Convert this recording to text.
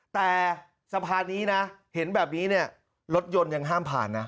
แต่สะพานนี้นะเห็นแบบนี้เนี่ยรถยนต์ยังห้ามผ่านนะ